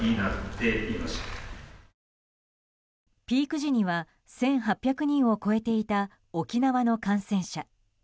ピーク時には、１８００人を超えていた沖縄の感染者。